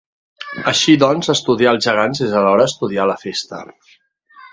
Així doncs estudiar els Gegants és alhora estudiar la Festa.